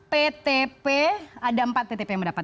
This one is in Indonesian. ptp ada empat ptp yang mendapat